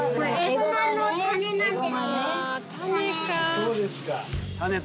そうですか。